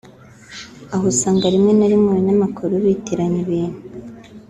aho usanga rimwe na rimwe abanyamakuru bitiranya ibintu